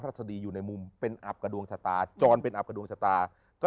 สดีอยู่ในมุมเป็นอับกับดวงชะตาจรเป็นอับกับดวงชะตาก็